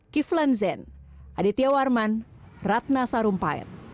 kiflan zen aditya warman ratna sarumpait